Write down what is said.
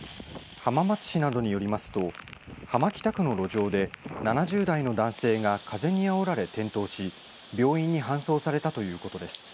浜松市などによりますと浜北区の路上で７０代の男性が風にあおられ転倒し病院に搬送されたということです。